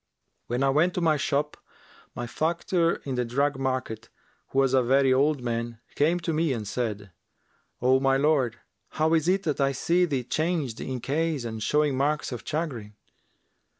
When I went to my shop, my factor in the drug market, who was a very old man, came to me and said, 'O my lord, how is it that I see thee changed in case and showing marks of chagrin?